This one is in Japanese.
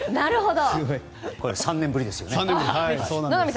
３年ぶりですよね。